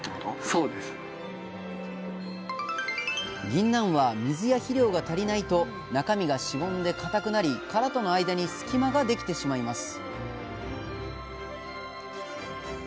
ぎんなんは水や肥料が足りないと中身がしぼんで硬くなり殻との間に隙間ができてしまいます